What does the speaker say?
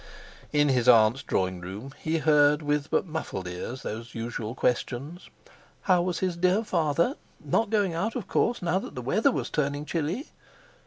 In his aunts' drawing room he heard with but muffled ears those usual questions: How was his dear father? Not going out, of course, now that the weather was turning chilly?